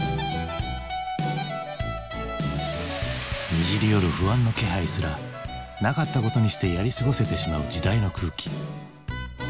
にじりよる不安の気配すらなかったことにしてやり過ごせてしまう時代の空気。